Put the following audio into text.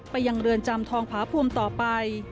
ยังเรือนจำทองผาภูมิต่อไป